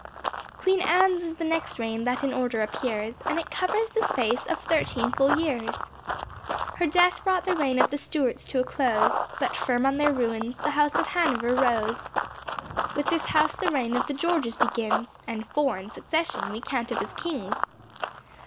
Queen Ann's is the next reign that in order appears And it covers the space of thirteen full years. Her death brought the reign of the Stuarts to a close, But firm on their ruins, the House of Hanover rose. With this house the reign of the Georges begins And four in succession we count up as Kings.